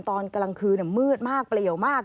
ตอนกลางคืนมืดมากเปลี่ยวมาก